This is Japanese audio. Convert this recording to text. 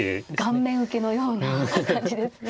顔面受けのような感じですね。